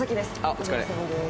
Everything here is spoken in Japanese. お疲れさまです。